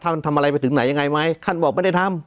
ท่านทำอะไรไปถึงไหนยังไงไหมท่านบอกไม่ได้ทำ